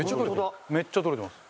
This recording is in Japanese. めっちゃ取れてます。